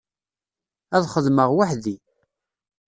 Ad xedmeɣ weḥd-i.